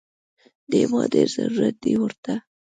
دې ما ډېر ضرورت دی ورته